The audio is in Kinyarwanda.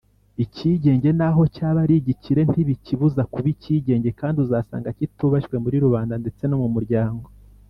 icyigenge naho cyaba ari igikire ntibikibuza kuba ikigenge kandi uzanga kitubashywe muri rubanda ndetse no mumuryango.